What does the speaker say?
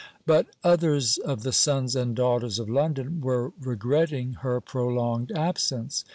But others of the sons and daughters of London were regretting her prolonged absence.